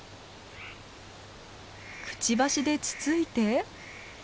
くちばしでつついて。